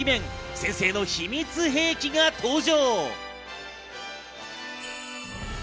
先生の秘密兵器が登場。